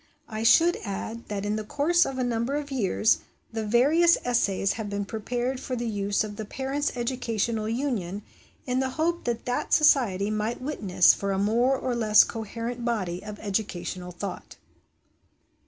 I should add that in the course of a number of years the various essays have been prepared for the use of the Parents' Educational Union in the hope that that Society might witness for a more or less coherent body of educational thought.